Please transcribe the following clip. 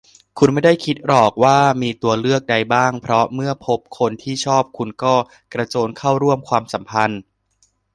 คุณไม่ได้คิดหรอกว่ามีตัวเลือกใดบ้าง เพราะเมื่อพบคนที่ชอบ คุณก็กระโจนเข้าร่วมความสัมพันธ์